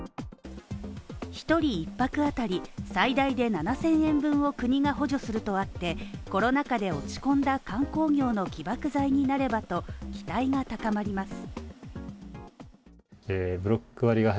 １人１泊あたり最大で７０００円分を国が補助するとあってコロナ禍で落ち込んだ観光業の起爆剤になればと期待が高まります。